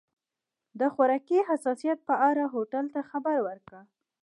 د خوراکي حساسیت په اړه هوټل ته خبر ورکړه.